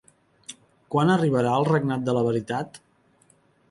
Quan arribarà, el regnat de la veritat?